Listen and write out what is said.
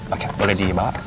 oke boleh dibawa